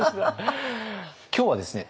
今日はですね